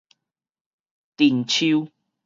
藤鬚